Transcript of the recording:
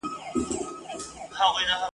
حاجي لالي برخه اخیستې وه.